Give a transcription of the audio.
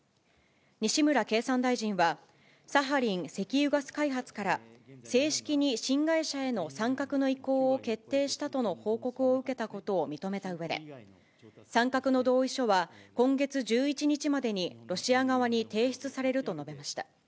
西村経産大臣は、サハリン石油ガス開発から、正式に新会社への参画の意向を決定したとの報告を受けたことを認めたうえで、参画の同意書は、今月１１日までにロシア側に提出されると述べました。